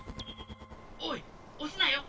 おいおすなよ！